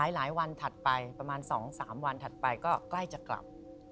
หลายวันถัดไปประมาณ๒๓วันถัดไปก็ใกล้จะกลับ